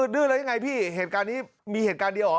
ดื้อแล้วยังไงพี่เหตุการณ์นี้มีเหตุการณ์เดียวเหรอ